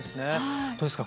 どうですか？